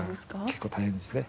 結構大変ですね。